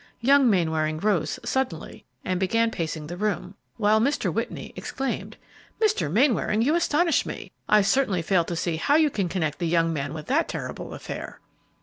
Young Mainwaring rose suddenly and began pacing the room, while Mr. Whitney exclaimed, "Mr. Mainwaring, you astonish me! I certainly fail to see how you can connect the young man with that terrible affair."